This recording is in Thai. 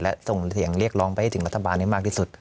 และส่งเสียงเรียกร้องไปให้ถึงรัฐบาลให้มากที่สุด